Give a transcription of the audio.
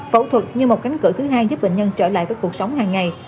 phẫu thuật như một cánh cửa thứ hai giúp bệnh nhân trở lại với cuộc sống hàng ngày